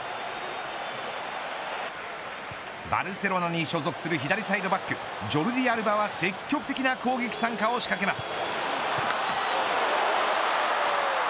バルセロナに所属する左サイドバッグジョルディ・アルバは積極的な攻撃参加を仕掛けます。